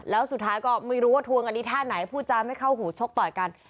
แล้วสุดท้ายก็ไม่รู้ว่าทวงกันที่ท่าไหนพูดจาไม่เข้าหูชกต่อยกัน